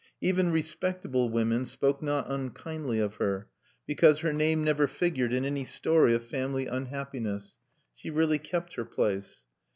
Even respectable women spoke not unkindly of her, because her name never figured in any story of family unhappiness. She really kept her place.